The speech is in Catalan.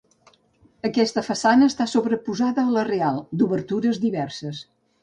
Aquesta façana està sobreposada a la real, d'obertures diverses.